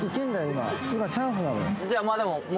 今今チャンスなのよ